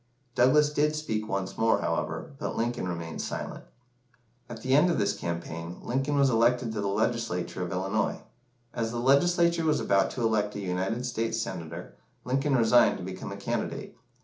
Douglas did speak once more, however, but Lincoln remained silent. At the end of this campaign, Lincoln was elected to the Legislature of Illinois. As the Legislature was about to elect a United States Senator, Lincoln resigned to become a candidate.